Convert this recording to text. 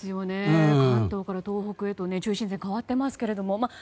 関東から東北へと中心線が変わっていますけども。